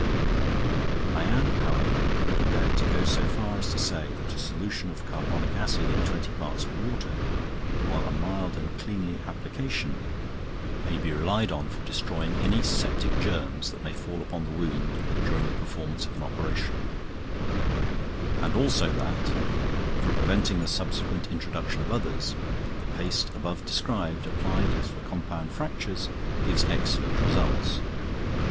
I am, however, prepared to go so far as to say that a solution of carbolic acid in twenty parts of water, while a mild and cleanly application, may be relied on for destroying any septic germs that may fall upon the wound during the performance of an operation; and also that, for preventing the subsequent introduction of others, the paste above described, applied as for compound fractures, gives excellent results.